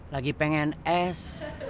lagi pengen es